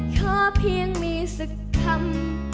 เธอเพียงมีสักคำ